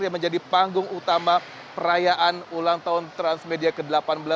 yang menjadi panggung utama perayaan ulang tahun transmedia ke delapan belas